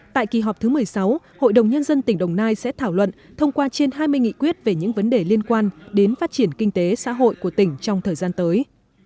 tại kỳ họp thứ một mươi sáu hội đồng nhân dân tỉnh đồng nai sẽ thảo luận thông qua trên hai mươi nghị quyết về những vấn đề liên quan đến phát triển kinh tế xã hội của tỉnh trong thời gian tới